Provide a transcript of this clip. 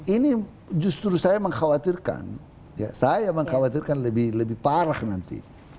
ini justru saya mengkhawatirkan saya mengkhawatirkan lebih parah nanti